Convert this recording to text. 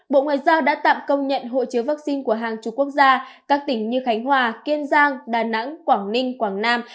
bộ ngoại giao đã tạm công nhận hộ chiếu vắc xin của hàng chú quốc gia các tỉnh như khánh hòa kiên giang đà nẵng quảng ninh quảng nam